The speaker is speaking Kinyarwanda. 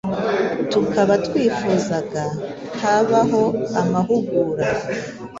tukaba twifuzaga habaho amahugura